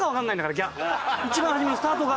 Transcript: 一番初めのスタートが。